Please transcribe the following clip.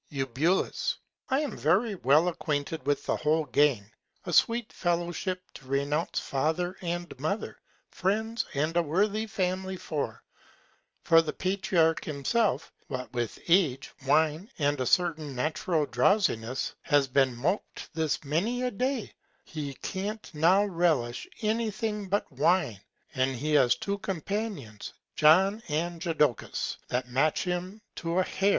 Eu. I am very well acquainted with the whole Gang. A sweet Fellowship to renounce Father and Mother, Friends, and a worthy Family for! For the Patriarch himself, what with Age, Wine, and a certain natural Drowsiness, has been mop'd this many a Day, he can't now relish any Thing but Wine; and he has two Companions, John and Jodocus, that match him to a Hair.